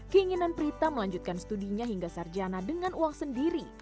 keinginan prita melanjutkan studinya hingga sarjana dengan uang sendiri